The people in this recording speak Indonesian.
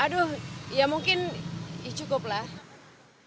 aduh ya mungkin cukup lah